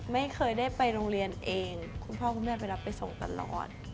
ไม่เคยได้ไปโรงเรียนเองคุณพ่อคุณแม่ไปรับไปส่งตลอด